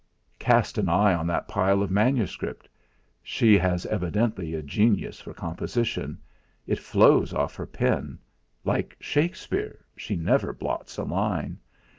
Cast an eye on that pile of manuscript she has evidently a genius for composition; it flows off her pen like Shakespeare, she never blots a line.